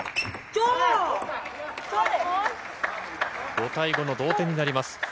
５対５の同点になります。